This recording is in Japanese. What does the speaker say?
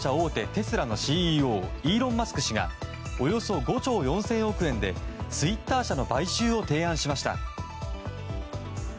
テスラのＣＥＯイーロン・マスク氏がおよそ５兆４０００億円でツイッター社の買収を提案しました。